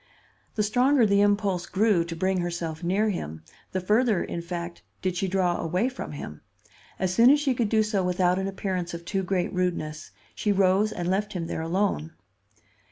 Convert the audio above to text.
The stronger the impulse grew to bring herself near him, the further, in fact, did she draw away from him. As soon as she could do so without an appearance of too great rudeness, she rose and left him there alone.